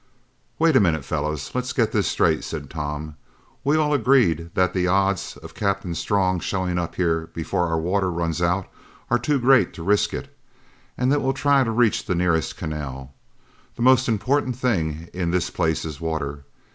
"Wait a minute, fellas. Let's get this straight," said Tom. "We're all agreed that the odds on Captain Strong's showing up here before our water runs out are too great to risk it, and that we'll try to reach the nearest canal. The most important thing in this place is water.